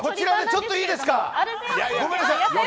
ちょっといいですか吉村Ｐ！